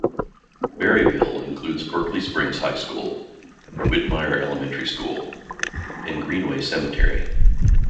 Berryville includes Berkeley Springs High School, Widmyer Elementary School, and Greenway Cemetery.